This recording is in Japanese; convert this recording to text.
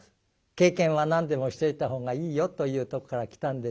経験は何でもしといた方がいいよというとこから来たんでしょう。